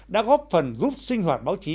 đã góp phần giúp sinh hoạt báo chí